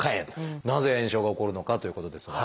なぜ炎症が起こるのかということですが。